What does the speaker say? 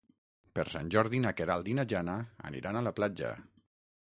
Per Sant Jordi na Queralt i na Jana aniran a la platja.